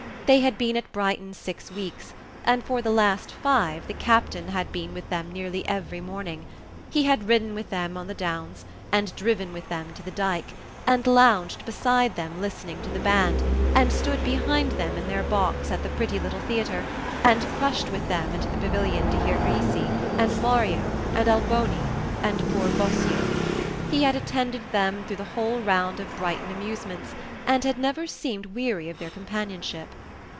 They had been at Brighton six weeks, and for the last five the captain had been with them nearly every morning. He had ridden with them on the downs, and driven with them to the Dike, and lounged beside them listening to the band, and stood behind them in their box at the pretty little theatre, and crushed with them into the Pavilion to hear Grisi, and Mario, and Alboni, and poor Bosio. He had attended them through the whole round of Brighton amusements, and had never seemed weary of their companionship.